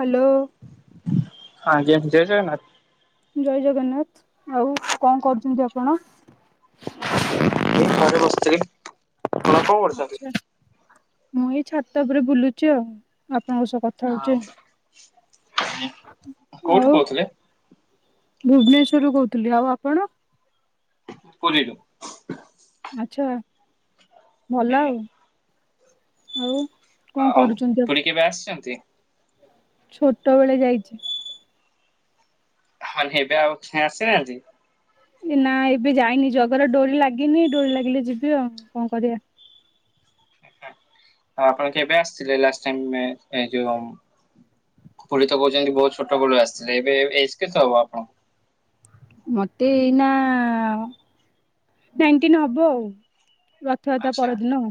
Hello. ହଁ ଜ ଜୟ ଜଗନ୍ନାଥ। ଜୟ ଜଗନ୍ନାଥ ଆଉ କଣ କରୁଛନ୍ତି ଆପଣ। ଏଇ ଘରେ ବସିଥିଲି ଆପଣ କଣ କରୁଛନ୍ତି। ଆଚ୍ଛା। ମୁଁ ଏଇ ଛାତ ଉପରେ ବୁଲୁଚି ଆଉ ଆ। ଆଣଙ୍କ ସହ କଥା ହଉଛି ହଁ କୋଉଠୁ ଆଉ। କହୁଥିଲେ ଭୁବନେଶ୍ଵରରୁୁ କହୁଥିଲି ଆଉ ଆପଣ। ପୁରୀ ରୁ। ଆଛା ଭଲ ଆଜ୍ଞା। ଆଉ ଆଉ। କଣ ଆଉ କରୁଛନ୍ତି ପୁରୀ କେବେ ଆସିଛନ୍ତି। ଛୋଟବେଳେ ଯାଇଛି। ଆଉ ଏବେ ଆଉ ଆସି ନାହାନ୍ତି। ଏ ନା ଏବେ ଯାଇନି ଜଗାର ଡୋରି ଲାଗିନି ଡୋରି ଲାଗିଲେ ଯିବି ଆଉ କଣ କରିବା। ଆପଣ କେବେ ଆସିଥିଲେ ଲାଷ୍ଟ ଟାଇମ୍ ଏଇ ଯୋଉ। ପୁରି ତ କହୁଛନ୍ତି ବହୁତ ଛୋଟ ବେଳୁ ଆସିଥିଲେ ଏବେ ଏଜ କେତେ ହବ ଆପଣଙ୍କୁ। ମତେ ଏଇନା ନାଇଣ୍ଟିନ ହବ ଆଉ। ରଥଯାତ୍ରା ଆଚ୍ଛା ପରଦିନ।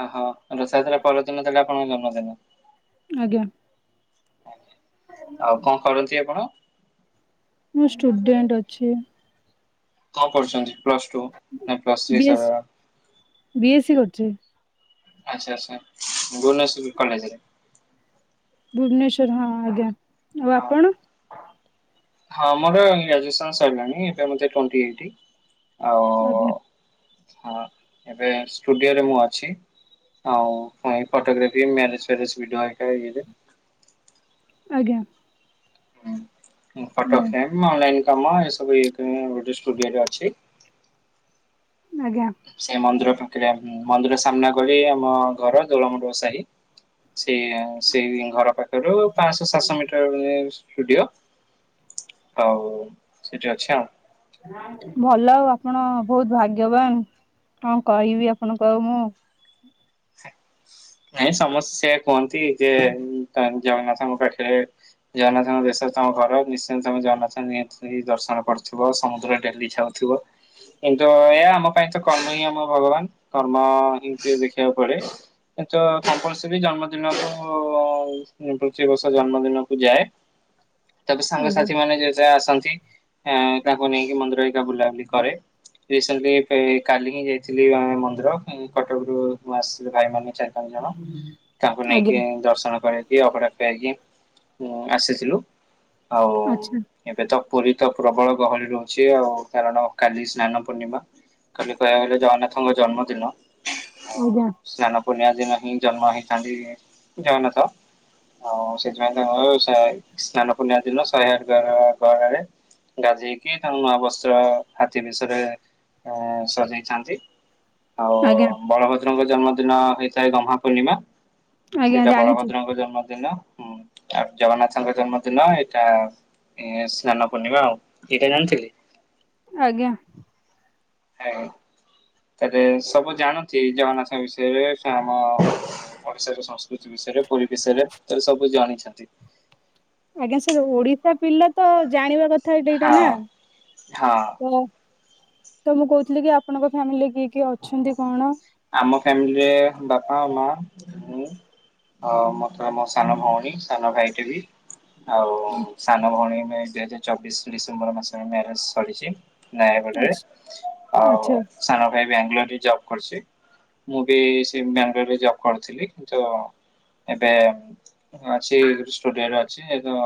ଓହୋ ରଥ ଯାତ୍ରା ପରଦିନ ତାହେଲେ ଆପଣଙ୍କ ଜନ୍ମଦିନ। ଆଜ୍ଞା। ଆଜ୍ଞା ଆଉ କଣ କରନ୍ତି ଆପଣ। ମୁଁ ଷ୍ଟୁଡେଣ୍ଟ ଅଛି। କଣ କରୁଛନ୍ତି ପ୍ଲସ ଟୁ ନା plus three B S sir B S C କରୁଛି। ଆଚ୍ଛା ଆଚ୍ଛା ଭୁବନେଶ୍ୱ କଲେଜରେ। ଭୁବନେଶ୍ଵର ହଁ ଆଜ୍ଞା ଆଉ ହଁ। ଆପଣ? ହଁ ଆମର ଗ୍ରାଜୁଏସନ ସରିଲାଣି ଏବେ ମେତେ ଟୋଣ୍ଟିଏଇଟ। ଆଜ୍ଞା। ହଁ ଏବେ ଷ୍ଟୁଡିଓ ରେ ମୁଁ ଅଛି। ଆଉ ଫଟୋଗ୍ରାଫି ମ୍ୟାରେଜ ଫ ଭିଡିଓ ହେକା ଇରେ। ଆଜ୍ଞା। ହଁ ଫଟୋ ହଁ ଫେମ। କାମ ଏ ସବୁ ଇଏ ଗୋଟେ ସ୍ଟୁଡ଼ିଓ ରେ ଅଛି। ଆଜ୍ଞା ସେ ମନ୍ଦିର ପାଖରେ ମନ୍ଦିର ସାମ୍ନା କଲେ ଆମ ଘର ଦୋଳମଣ୍ଡପ ସାହି। ସେ ସେଇ ଘର ପାଖ ପାଞ୍ଚଶହ ସାତଶହ ମିଟର ମାନେ ସ୍ଟୁଡିଓ ଆଉ। ସେଠି ଅଛି ଆଉ। ଭଲ ବା ଆପଣ ବହୁତ ଭାଗ୍ୟବାନ କଣ କହିବି ଆପଣଙ୍କୁ ଆଉ ମୁଁ। ନାଇଁ ସମସ୍ତେ ସେଆ କୁହନ୍ତି ଯେ ଜଗନ୍ନାଥଙ୍କ ପାଠରେ ଜଗନ୍ନାଥଙ୍କ ଦେଶ ତମ ଘର ନିଶ୍ଚୟନ୍ତ ତମେ ଜଗନ୍ନାଥ ଦର୍ଶନ କରୁଥିବ ସମୁଦ୍ର ଡେଲି ଯାଉଥ ଥିବ କିନ୍ତୁ ଏହାୟ ଆମ ପାଇଁ ତ କର୍ମ ହିଁ ଆମ ଭଗବାନ କର୍ମ ହ ଦେଖ। ଦେଖିବା କୁଆଡେ କମ୍ପାସରୀ ଜନ୍ମଦିନକୁ ପୃଥି ବର୍ଷ ଜନ୍ମଦିନ। ହଁ ମୁଁ ଯାଏ। ହ। ତାପରେ ସାଙ୍ଗସାଥି ମାନେ ଯେତେବେଳେ ଆସନ୍ତି ତାକୁ ନେଇକି ମନ୍ଦିର ହେକା ବୁଲାବୁଲି କରେ। ରିସେଣ୍ଟଲି କାଲି ହିଁ ଯାଇଥିଲି ମନ୍ଦିର କଟକରୁୁ ମୁଁ ଆସିଥିଲି ଭାଇ ମାନ ଚାରି ପାଞ୍ଚ ଜଣ ତାଙ୍କୁ ଆଜ୍ଞା ନେଇକି ଦର୍ଶନ କରକି ଅଗଡ଼ା। ଏବେକି ଆସିଥିଲୁ ଆଉ ଆଚ୍ଛା ଏବେ ତ ପୁରୀ ତ ପ୍ରବଳ ଗହଳି ରହୁଛି ଆଉ କାରଣ କାଲି ସ୍ନାନ ପୂର୍ଣ୍ଣିମା। କାଲି କହିବାକୁ ଗଲେ ଜଗନ୍ନାଥଙ୍କ ଜନ୍ମଦିନ। ଆଜ୍ଞ। ପୁନିଆ ଦିନ ହିଁ ଜନ୍ମ ହେଇଥାନ୍ତି ଜଗନ୍ନାଥ। ଆଉ ସେଥିପାଇଁ ତାଙ୍କର ସା -ସ୍ନାନ ପୁର୍ଣିମା ଦିନ ଶହେ ଆଠ ଗରେ ଗାଧେଇ କିି ତାଙ୍କୁ ନୂଆ ବସ୍ତ୍ର ହାତୀ ବେସରେ ଆ ସଜେଇଥାନ୍ତି ଆଉ ଆଜ୍ଞା ଭଦ୍ରଙ୍କ ଜନ୍ମଦିନ ହେଇଥାଏ ଗହ୍ମା ପୂର୍ଣ୍ଣିମା ଆଜ୍ଞା ସେଇଟା ଜାଣିଛି ବଳଭଦ୍ରଙ୍କ ଜନ୍ମଦିନ। ହୁଁ ଆଉ ଜଗନ୍ନାଥଙ୍କ ଜନ୍ମଦିନ ଏଇଟା। ଏ ସ୍ନାନ ପୂର୍ଣ୍ଣିମା ଆଉ ଏଇଟା ଜାଣିଥିଲି? ଆଜ୍ଞା। [unintelligible] ତାରେ ସବୁ ଜାଣନ୍ତି ଜଗନ୍ନାଥଙ୍କ ବିଷୟରେ ସେ ଆମ ଓଡିଶାର ସଂସ୍କୃତି ବି ଷୟରେ ପୁରୀ ବିଷୟରେ ତାଲେ ସବୁ ଜାଣିଛନ୍ତି। ଆଜ୍ଞା ସେ ଓଡିଶା ପିଲା ତ ଜାଣିବା କ ଥା ଗୋଟେ ଏଇଟା ନା ହଁ ହଁ ତ। ତ ମୁଁ କଉଥିଲି କି ଆପଣଙ୍କ ଫ୍ୟାମିଲିରେ କିଏ କିଏ ଅଛନ୍ତି କଣ? ଆମ ଫ୍ୟାମିଲିରେ ବାପା ମା ମୁଁ। ହ ମତେ ମୋ ସାନ ଭଉଣୀ ସାନ ଭାଇଟେ ବି। ଆଉ ସାନ ଭଉଣୀ ମେ ଦୁଇ ହଜାର ଚବିଶ ଡିସେମ୍ବର ମାସରେ ମ୍ୟାରେଜ ସରିଚି। ନୟାଗଡ଼ରେ ଆଚ୍ଛା ଆଉ ଆଚ୍ଛା ସାନ ଭାଇ ବାଙ୍ଗାଲୋର ରେ ଜବ୍ କରୁଚି। ମୁଁ ବି ସେଇ ବାଙ୍ଗଲୋରରେ ଜବ୍ କରୁଥିଲି କିନ୍ତୁ ଏବେ ଅଛି ଗୋଟେ ଷ୍ଟୁଡିଓ ରେ ଅଛି ଏ ତ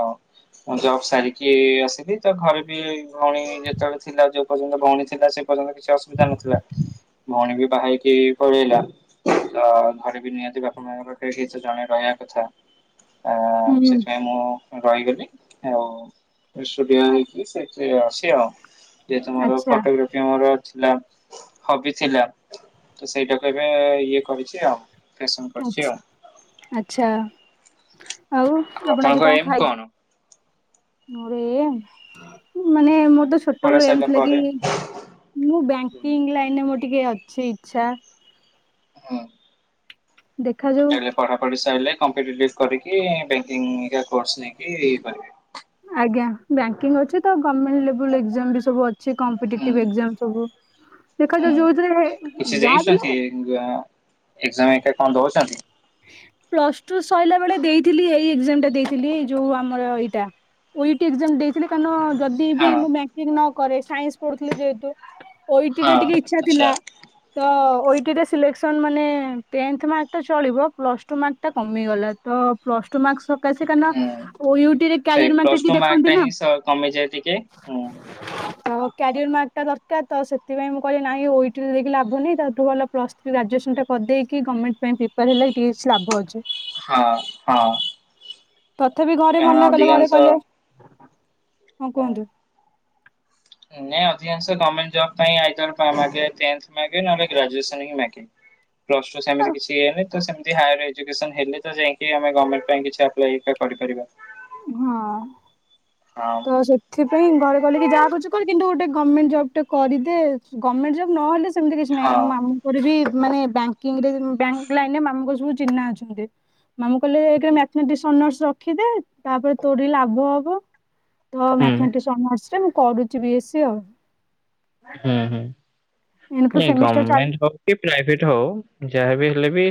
ମୁଁ ଜବ୍ ସାରିକି ଆସିଲି ତ ଘରେ ବି ଭଉଣୀ ଯେତବେଳେ ଥିଲା ଯୋଉ ପର୍ଯ୍ୟନ୍ତ ଭଉଣୀ ଥିଲା ସେ ପର୍ଯ୍ୟନ୍ତ କିଛି ଅସୁବିଧା ନଥିଲା ଭଉଣୀ ବି ବାହା ହେଇ କି ପଳେଇଲା ତ ଘରେ ବି ନିହାତି ବାପା ମାଙ୍କ ପାଖରେ କେହି ତ ଜଣେ ରଇବା କଥା। ଆ ହୁଁ ସେଥିପାଇଁ ମୁଁ ରଇଗଲି ଆଉ [unintelligible] ସେ ଅଛି ଆଉ ଯେହେତୁ ମୋର ଆଚ୍ଛା ଫଟୋଗ୍ରାଫି ମୋର ଥିଲା ହବି ଥିଲା। ତ ସେଇଟା କେବେ ଇଏ କରିଛି ଆଉ। ଫେସନ କରିଛି ଆଚ୍ଛା ଆଉ। ଆଚ୍ଛା। ଆଉ ଆପଣ ଆଜି ଆପଣଙ୍କ ଏମ ଖାଇ କଣ? ମୋର ଏମ୍? ମାନେ ମୋର ତ ପଢା ଛୋଟବେଳୁ ଏମ୍ ସରିଲା ଥିଲା କି ପରେ ମୁଁ ହୁଁ। ବ୍ୟାଙ୍କିଙ୍ଗ ଲାଇନରେ ମୋର ଟିକେ ଅ ଛି ଇଚ୍ଛା। ହଁ। ଦେଖାଯାଉ ଏଲେ ପଢା ପଢି ସାଇଲା କମ୍ପିଟେଟିବ୍ କରିକି ବ୍ୟାଙ୍କିଙ୍ଗ [unintelligible] କୋର୍ଷ ନେଇକି କରିବେ। ଆଜ୍ଞା ବ୍ୟଙ୍କିଙ୍ଗ ଅଛି ତ ଗମେଣ୍ଟ ଲେବୁଲ୍ ଏଗଜାମ ବି ସବୁ ଅଛି ହୁଁ କମ୍ପିଟେଟିଭ ଏଗ୍ ଜାମ ସବୁ। ହୁଁ ଦେଖାଯାଉ ଯୋଉଥିରେ ଯାହା ବିିଲ ଏଗଜାମ ଏକା କଣ ଦଉଚନ୍ତି? ପ୍ଲସ ଟୁ ସଇଲା ବେଳେ ଦେଇଥିଲି ଏଇ ଏଗ୍ ଜାମ ଟା ଦେଇଥିଲି ଏଇ ଯୋଉ ଆମର ଏଇଟା। ଓ ଇ ଟି ଏଗଜାମ୍ ଦେଇଥିଲି କାନ ଯଦି ବି ହଁ ମୁଁ ବ୍ୟାଙ୍କିଙ୍ଗ ନ କରେ ସାଇନ୍ସ ପଢ଼ୁଥିଲି ଯେହେତୁ। ଓ ଇ ଟି ଟା ହଁ ଟିକେ ଇଚ୍ଛା ଆଚ୍ଛା ଥିଲା। ତ ଓ ଇ ଟି ରେ ସିଲେକ୍ସନ୍ ମାନେ ଟେନ୍ଥ ମାର୍କତ ଚଳିବ। ପ୍ଲସ୍ ଟୁ ମାର୍କଟା କମିଗଲା ତ ପ୍ଲସ୍ ଟୁ ମାର୍କସ ହୁଁ। [unintelligible] ଓ ୟୁ ଟି ରେ ସେଇ କ୍ୟାରିୟର ମାର୍କ ଟା ପ୍ଲସ ଟୁ ଟିକେ ଦେଖନ୍ତି ଟା ନା। ହିଁ କମିଯାଏ ଟିକେ। ହୁଁ ଆଉ କ୍ୟାରିୟର ମାର୍କଟା ଦ କାର ତ ସେତିପାଇଁ ମୁଁ କଇଲି ନାଇଁ ଓ ଇ ଟି ଦେଇକି ଲାଭ ନେଇଁ ତାଠୁ ଭଲ ପ୍ଲସ ଥ୍ରୀ ଗ୍ରଜୁଏସନ ଟା କରିଦେଇକି ଗମେଣ୍ଟ ପା ପିପାର ହେଲେ [unintelligible] ଲାଭ ଅଛି। ହଁ ହଁ। ତଥାପି ଘରେ କାରଣ ମନା କଲେ ଘରେ ଅଧିକାଂଶ କଇଲେ ହଁ କୁହନ୍ତୁ। ଏଇନା ଅଧିକାଂଶ ଗମେଣ୍ଟ ଜବ୍ ପାଇଁ ଆଇଦର ପା ମାଗେ ଟେନ୍ଥ ମାଗେ ନହେଲେ ଗ୍ରଜୁଏସନ୍ ହିଁ ମାଗେ। ପ୍ଲସ ଟୁ ସେମିତି କିଛି ଇଏ ନି ତ ସେମତି ହାଏର ଏ ଯୁକେଶନ୍ ହେଲେ ତ ଯାଇଁକି ଆମେ ଗମେଣ୍ଟ ପାଇଁ କିଛି ଟା ଆପ୍ଲାଏ ଇଟା କରିପାରିବା। ହଁ ହଁ ତ ସେଥିପାଇଁ ଘରେ କଇଲେ କି ଯାହା କରୁଚୁ କର କିନ୍ତୁ ଗୋଟେ ଗମେଣ୍ଟ ଜବ କରିଦେ ଗମେଣ୍ଟ ଜବ୍ ନହେଲେ ସେମିତି କିଛି ନାହିଁ ହଁ। ମୋ ମାମୁଙ୍କର ବି ମାନେ ବଙ୍କିରେ ବ୍ୟାଙ୍କ ଲାଇନରେ ମାମୁ ସବୁ ଚିହ୍ନା ଅଛନ୍ତି। ମାମୁଁ କହିଲେ ଏକେରେ ମାଠମେଟିକ୍ସ ଅନର୍ସ ରଖିଦେ ତାପରେ ତୋରି ଲାଭ ହବ। ତ ହୁଁ ମ୍ୟାର୍ଥମେଟିକ୍ସ ଅନର୍ସ ରେ ମୁଁ କରୁଛି ବି ଏ ସି ଆଉ ହୁଁ ଏଇନୁ ହୁଁ ସେମିଷ୍ଟାର ଚାଲି ଗରମେଣ୍ଟ ହଉ କି ପ୍ରାଇଭେଟ ହଉ ଯାହାବି ହେଲେ ବି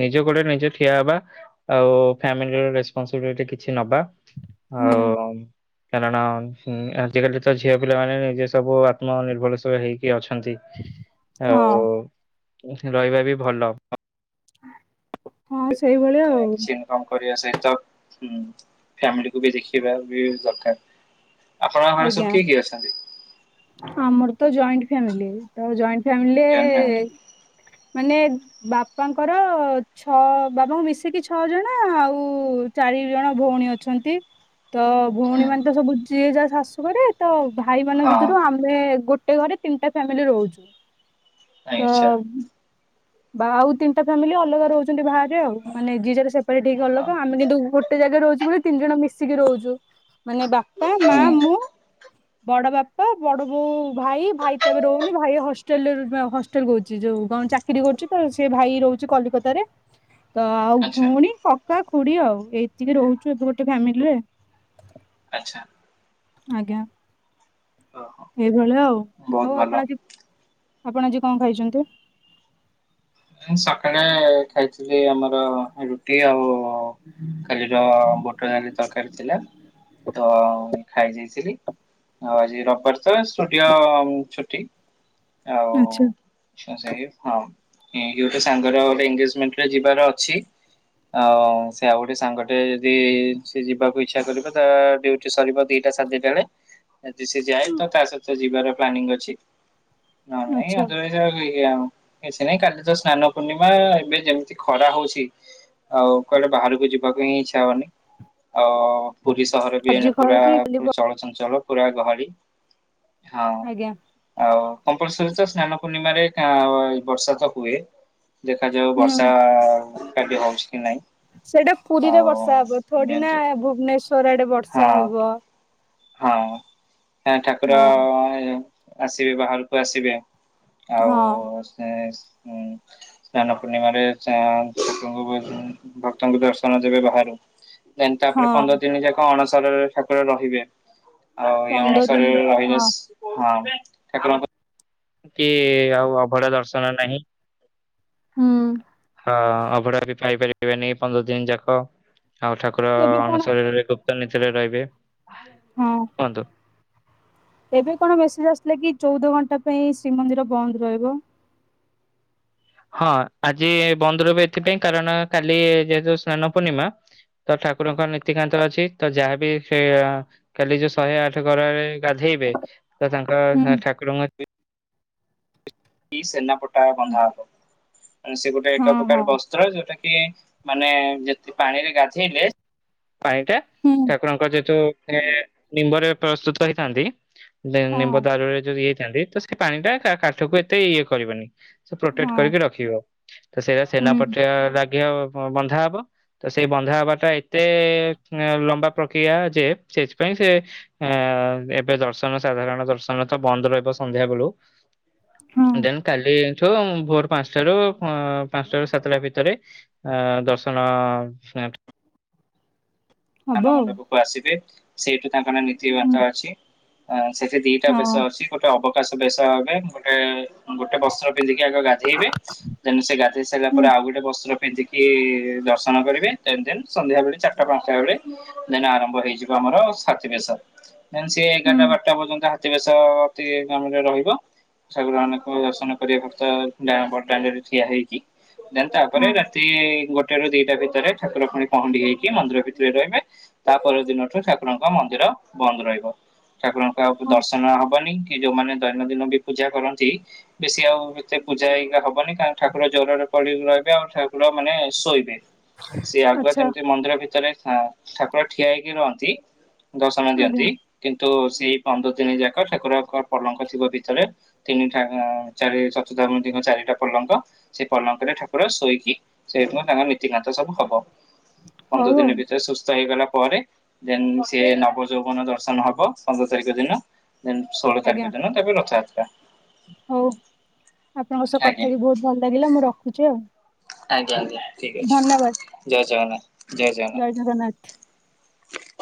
ନିଜ ଗୋଡେ ନିଜେ ଠିଆ ହବା ଆଉ ଫ୍ୟାମିଲିର ରେସପନସିବିଲିଟି କିଛି ନବା ହୁଁ ଆଉ କାରଣ ଆଜିକାଲି ତ ଝିଅ ପିଲା ମାନେ ନିଜେ ସବୁ ଆତ୍ମନିର୍ଭରଶୀଳ ହେଇକି ଅଛନ୍ତି। ହଁ ଆଉ ରହିବା ବି ଭଲ। ହଁ ସେଇଭଳିଆ ଆଉ କିଛି ଇନକମ୍ କରିବା ସହିତ ଫ୍ୟାମିଲିକୁ ବି ଦେଖିବା ବି ଦରକାର। ଆପଣଙ୍କ ଘରେ ସବୁ ଆଜ୍ଞା କିଏ କିଏ ଅଛନ୍ତି? ଆମର ତ ଜଏଣ୍ଟ ଫ୍ୟାମିଲି ତ ଜଏଣ୍ଟ ଫ୍ୟାମିଲି ଜଏଣ୍ଟ ଫ୍ୟାମିଲି ମାନେ ବାପାଙ୍କର ଛଅ ବାପାଙ୍କୁ ମିଶିକି ଛଅ ଜଣ ଆଉ ଚାରି ଜଣ ଭୋ ପୁଣି ଅଛନ୍ତି। ତ ହୁଁ ଭଉଣୀ ମାନେ ତ ସବୁ ଯିଏ ଯା ଶାଶୁ ଘରେ ତ ଭାଇ ମାନଙ୍କ ହଁ ଭିତରୁ ଆମେ ଗୋଟେ ଗୋଟେ ଘରେ ତିନିଟା ଫ୍ୟାମିଲି ରହୁଛୁ। ତ ଆଛା। ବା ଆଉ ତିନିଟା ଫ୍ୟାମିଲି ଅଲଗା ରହୁଛନ୍ତି ବାହ ଆଉ ମାନେ ଜେ ଜାର ସେପରେଟ ଅଲଗା। ହୁଁ ଆମେ କିନ୍ତୁ ଗୋଟେ ଜାଗାରେ ରହୁଛୁ ବୋଲି ତିନି ଜଣ ମିଶିକି ରହୁଛୁ। ମାନେ ବାପା ମା ମୁଁ ବଡ ବାପା ବଡ ବୋଉ ଭାଇ ଭାଇ ତ ଏବେ ରହୁନି ଭାଇ ହଷ୍ଟେଲ ହଷ୍ଟେଲ କହୁଛି ଯୋଉ ଚା କିରି କରୁଛି ତ ସେ ଭାଇ ରହୁଛି କଲିକତାରେ ତ ଆଉ ଆଚ୍ଛା ଭଉଣୀ କକା ଖୁ କୁଡି ଆଉ ଏତିକି ରହୁଛୁ ଏବେ ଗୋଟେ ଫାମିଲିରେ। ଆଛା। ଆଜ୍ଞା ଏଇଭଳିଆ ଆଉ ବହୁତ ଆଉ ଭଲ। ଆପଣ ଆଜି ଆପଣ ଆଜି କଣ ଖାଇଛନ୍ତି? ମୁଁ ସକାଳେ ଖାଇଥିଲି ଆମର ରୁଟି ଆଉ କାଲିର ବୁଟ ଡାଲି ତରକାରୀ ଥିଲା ତ ଖାଇ ଦେଇଥିଲି। ଆଉ ଆଜି ରବିବାର ତ ଷ୍ଟୁଡିଓ ଛୁଟି। ଆଉ ଆଚ୍ଛା ସେ [unintelligible] ଗୋଟେ ସାଙ୍ଗର ଗୋଟେ ଏଗେଜମେଣ୍ଟରେ ଯିବାର ଅଛି। ଆଉ ସେ ଆଉ ଗୋଟେ ସାଙ୍ଗଟେ ଯଦି ସେ ଯିବାକୁ ଇଚ୍ଛା କରିବ ତା ଡିଉଟି ସରିବ ଦି ଟା ସଦିତା ବେଳେ ଯଦି ସେ ଯାଏ ତ ତା ସହିତ ଯିବାର ପ୍ଲାନିଂ ଅଛି। ନ ହେଲେ ଆଚ୍ଛା, ନାଇଁ [unintelligible] ନାଇଁ କାଲି ତ ସ୍ନାନ ପୂର୍ଣିମା ଏବେ ଯେମିତି ଖରା ହଉଛି। ଆଉ କୁଆଡେ ବାହାରକୁ ଯିବାକୁ ହିଁ ଇଚ୍ଛା ହଉନି ଆଉ ପୁରୀ ସହର ବି ଆଜି ଏନେ ପୁରା ଖାଉଛି ଲିବ। ଚଳଚଞ୍ଚଳ ପୁରା ଗହଳି। ହଁ ଆଜ୍ଞା ଆଉ କମ୍ପଲସରୀ ତ ସ୍ନାନ ପୂର୍ଣ୍ଣିମାରେ କା ବର୍ଷା ତ ହୁଏ ଦେଖାଯାଉ ବର୍ଷା ହୁଁ କାଲି ହଉଛି। କି ନାଇଁ ସେଇଟା ପୁରୀରେ ଆଉ ବର୍ଷା ହବ ଥଡି ନା ଏମିତି ଭୁବନେଶ୍ଵର ଆଡେ ବର୍ଷା ହଁ ହବ। ହଁ ଠାକୁର ହଁ ଆସିବେ ବାହାରକୁ ଆସିବେ। ଆଉ ହଁ ସେ ଉଁ ସ୍ନାନ ପୂର୍ଣ୍ଣିମାରେ ଠାକୁରଙ୍କୁ ଭକ୍ତଙ୍କୁ ଦର୍ଶନ ଦେବେ ବାହାରୁ। ଦେନ୍ ତାପରେ ହଁ ପନ୍ଦର ଦିନି ଯାକ ଅଣସର ରେ ଠାକୁର ରହିବେ। ଆ ଏ ପନ୍ଦର ଅଣସର ଦିନ ରେ ରହିବେ ହଁ ସେ ହଁ। ଠାକୁରଙ୍କୁ କି ଆଉ ଅଭଡା ଦର୍ଶନ ନାହିଁ। ହୁଁ ହଁ ଅଭଡା ବି ପାଇପାରିବେନି ପନ୍ଦର ଦିନ ଯାକ। ଆଉ ଠାକୁର ଏବେ ଅଣ କଣ ଶରୀରରେ ଗୁପ୍ତ ନୀତିରେ ରହିବେ ହଁ କୁହନ୍ତୁ। ଏବେ କଣ ମେସେଜ୍ ଆସିଲା କି ଚୋଉଦ ଘଣ୍ଟା ପାଇଁ ଶ୍ରୀମନ୍ଦିର ବନ୍ଦ ରହିବ। ହଁ ଆଜି ବନ୍ଦ ରହିବ ଏଥିପାଇଁ କାରଣ କାଲି ଯେହେତୁ ସ୍ନାନ ପୂର୍ଣ୍ଣିମା ତ ଠାକୁରଙ୍କ ନୀତିକାନ୍ତ ଅଛି ତ ଯାହାବି ସେ କାଲି ଯୋଉ ଶହେ ଆଠ ଗରାରେ ଗାଧୋଇ ଇବେ ତ ତାଙ୍କ ହୁଁ ଠାକୁରଙ୍କ ବି କି ସେନାପଟା ବନ୍ଧା ହବ ମାନେ ସେ ଗୋଟେ ହଁ ଏକ ହଁ ପ୍ରକାର ବସ୍ତ୍ର ଯୋଉଟା କି କି ମାନେ ଯେତିି ପାଣିରେ ଗାଧେଇବେ ପାଣିଟା ହୁଁ ଠାକୁରଙ୍କ ଯେହେତୁ ରେ ନିମ୍ବରେ ପ୍ରସ୍ତୁତ ହେଇଥାନ୍ତି ହଁ ନିମ୍ବ ଦାରୁରେ ଯଦି ହେଇଥାନ୍ତି। ତ ସେ ପାଣି ଟା କା କାଠକୁ ଏତେ ଇଏ କରିବନି। ସେ ପ୍ରୋଟେକ୍ଟ ହଁ କରିକି ରଖିବ ତ ସେ ହୁଁ ସେନାପଟା ଲା ଘିଅ ବନ୍ଧା ହବ ତ ସେଇ ବନ୍ଧା ହବାଟା ଏତେ ଲମ୍ବା ପ୍ରକ୍ରିୟା ଯେ ସେଥିପାଇଁ ସେ ଆ ଏବେ ଦର୍ଶନ ସାଧାରଣ ଦର୍ଶନ ତ ବନ୍ଦ ରହିବ ସନ୍ଧ୍ୟା ବେଳୁ ହଁ। ଦେନ୍ କାଲିଠୁ ଭୋର ପାଞ୍ଚଟାରୁ ପାଞ୍ଚଟାରୁ ସାତଟା ଭିତରେ ଅ ଦ ଦର୍ଶନ ଷ୍ଟାର୍ଟ ହବ ସ୍ନାନ ଆଉ। ମଣ୍ଡପକୁ ଆସିବେ ସେଇଠୁ ତାଙ୍କର ହୁଁ। ନୀତିିବାର୍ତା ଅଛି ଆଁ ସେଠି ଦିଟା ହଁ। ବେଶ ଅଛି ଗୋଟେ ଅବ କାଶ ବେଶ ହେବେ ଗୋଟେ ଗୋଟେ ବସ୍ତ୍ର ପିନ୍ଧିକି ଆଗ ଗାଧେଇବେ ଦେନ୍ ସେ ଗାଧେଇ ସାରିଲା ହୁଁ। ପରେ ଆ ଆଉ ଗୋଟେ ବସ୍ତ୍ର ପିନ୍ଧିକି ଦର୍ଶନ କରିବେ ଦେନ୍ ଦେନ୍ ସନ୍ଧ୍ୟା ବେଳେ ଚାରିଟା ପାଞ୍ଚଟା ବେଳେ ଦେନ୍ ଆରମ୍ଭ ହେଇଯିବ ଆମର ସାଥି ବେଶ ଦେନ୍ ସିଏ ଏଗାରଟା ହୁଁ ବାରଟା ପର୍ଯ୍ୟନ୍ତ ହା ଅତି ବେଶ ରହିବ ଠାକୁର ମାନଙ୍କ ଦର୍ଶନ କରିବା କୁତ ବଡ଼ଦାଣ୍ଡ ରେ ଠିଆ ହେଇକି ଦେନ୍ ତାପରେ ହଁ ରାତି ଗୋଟେ ରୁ ଦିଟା ଭିତରେ ଠାକୁର ପୁଣି ପହଣ୍ଡି ହେଇକି ମନ୍ଦିର ଭିତ ରହିବେ ତାପର ଦିନଠୁ ଠାକୁରଙ୍କ ମନ୍ଦିର ବନ୍ଦ ରହିବ। ଠାକୁରଙ୍କ ଆଉ ହଁ ଦର୍ଶନ ହବନି। କି ଯୋଉମାନେ ଦୈନନ୍ଦିନ ବି ପୂଜା କରନ୍ତି ବେଶୀ ଆଉ ଏତେ ପୂଜା ଏଇକା ହବନି କାରଣ ଠାକୁର ଜ୍ୱରରେ ପଡ଼ିକି ରହିବେ ଆଉ ଠାକୁର ମାନେ ଶୋଇବେ। ସିଏ ଆଗୁଆ ଆଚ୍ଛା। ଯେମିତି ମନ୍ଦିର ଭିତରେ ଠା ଠାକୁର ଠିଆ ହେଇକି ରହନ୍ତି। ଦର୍ଶନ ଆଜ୍ଞା ଦିଅନ୍ତି କିନ୍ତୁ ସେଇ ପନ୍ଦର ଦିନ ଯାକ ଠାକୁରଙ୍କ ପଲଙ୍କ ଥିବ ଭିତରେ ତିନି ଠା, ଆ, ଚାରି ଚତୁର୍ଦ୍ଧା ମୂର୍ତ୍ତିଙ୍କୁ ଚାରିଟା ପଲଙ୍ଗ ସେ ପଲଙ୍କ ରେ ଠାକୁର ଶୋଇକି ସେ ସେଦିନ ତାହା ନୀତିକାନ୍ତ ସବୁ ହବ। ହଉ ଆଉ। ସେହେଇଗଲା ପରେ ଦେନ୍ ସିଏ ନବ ଯୌବନ ଦର୍ଶନ ହବ ପନ୍ଦର ତାରିଖ ଦିନ ଦେନ୍ ଷୋଳ ଆଜ୍ଞା ତାରିଖ ଦିନ ତେବେ ରଥ ଯାତ୍ରା। ହଉ ଆପଣଙ୍କ ସହ କଥା ହେଇକି ବହୁତ ଭଲ ଲାଗିଲା ମୁଁ ରଖୁଛି ଆଉ। ଆଜ୍ଞା ଆଜ୍ଞା ଠିକ୍ ଧନ୍ୟବାଦ ଅଛି ଜୟ ଜଗନ୍ନାଥ ଜୟ ଜଗନ୍ନାଥ। [inaudible]